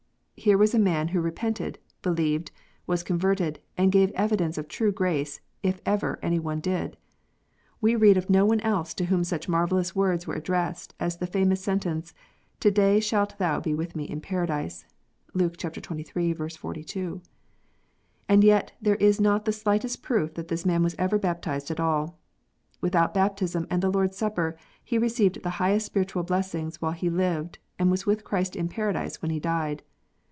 Here was a man who repented, believed, was converted, and gave evidence of true grace, if any one ever did. We read of no one else to whom such marvellous words were addressed as the famous sentence, "To day shalt thou be with Me in paradise." (Luke xxiii. 42.) And yet there is not the slightest proof that this man was ever baptized at all ! Without baptism and the Lord s Supper he received the highest spiritual blessings while he lived, and was with Christ in paradise when he died